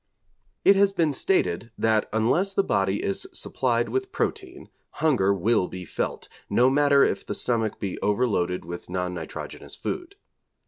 It has been stated that unless the body is supplied with protein, hunger will be felt, no matter if the stomach be over loaded with non nitrogenous food.